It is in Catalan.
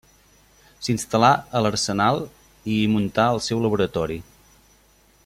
S'instal·là a l'arsenal i hi muntà el seu laboratori.